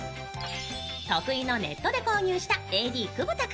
得意のネットで購入したＡＤ窪田君。